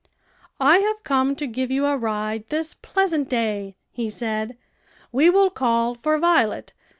"I have come to give you a ride this pleasant day," he said. "We will call for Violet.